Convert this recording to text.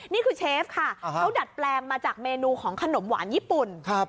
เชฟค่ะเขาดัดแปลงมาจากเมนูของขนมหวานญี่ปุ่น